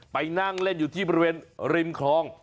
ไปนั่งเล่นอยู่ที่บริเวณริมคลอง